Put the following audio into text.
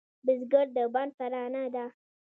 بزګر د بڼ ترانه ده